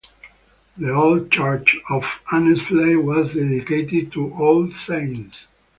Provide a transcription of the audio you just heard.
The old church of Annesley was dedicated to All Saints.